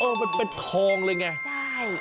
เออมันเป็นทองเลยไง